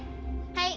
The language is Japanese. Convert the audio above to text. はい。